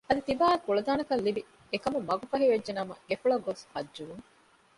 އަދި ތިބާއަށް ކުޅަދާނަކަން ލިބި އެ ކަމަށް މަގު ފަހި ވެއްޖެ ނަމަ ގެފުޅަށް ގޮސް ޙައްޖުވުން